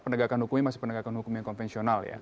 karena penegakan hukumnya masih penegakan hukum yang konvensional